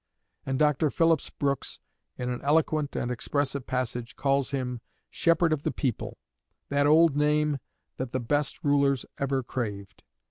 And Dr. Phillips Brooks, in an eloquent and expressive passage, calls him "Shepherd of the people that old name that the best rulers ever craved.